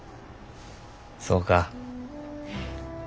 そうか。